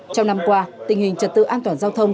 trong năm qua tình hình trật tự an toàn giao thông